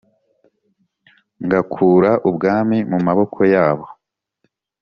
ngakura ubwami mu maboko yabo